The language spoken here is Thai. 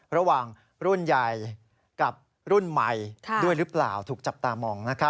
ระหว่างรุ่นใหญ่กับรุ่นใหม่ด้วยหรือเปล่าถูกจับตามอง